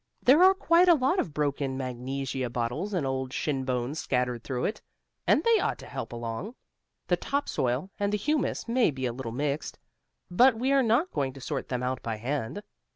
There are quite a lot of broken magnesia bottles and old shinbones scattered through it, and they ought to help along. The topsoil and the humus may be a little mixed, but we are not going to sort them out by hand.